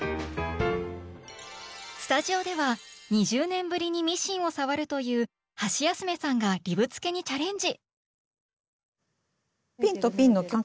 スタジオでは２０年ぶりにミシンを触るというハシヤスメさんがリブつけにチャレンジ！